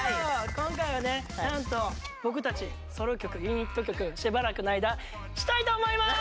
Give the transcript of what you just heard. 今回はねなんと僕たちソロ曲ユニット曲しばらくの間したいと思います！